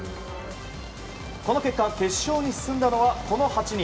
この結果決勝に進んだのは、この８人。